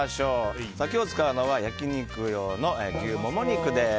今日使うのは焼き肉用の牛モモ肉です。